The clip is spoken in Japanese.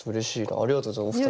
ありがとうございますお二人。